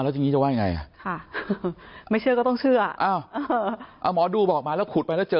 แล้วทีนี้จะว่ายังไงอ่ะค่ะไม่เชื่อก็ต้องเชื่ออ้าวหมอดูบอกมาแล้วขุดไปแล้วเจอ